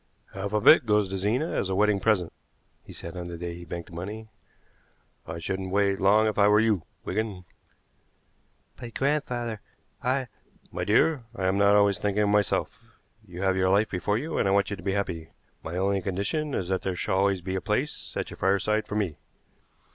"Half of it goes to Zena as a wedding present," he said on the day he banked the money. "I shouldn't wait long if I were you, Wigan." "But, grandfather, I " "My dear, I'm not always thinking only of myself. You have your life before you and I want you to be happy. My only condition is that there shall always be a place at your fireside for me."